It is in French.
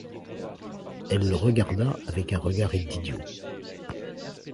Elle le regarda avec un regard d’idiot.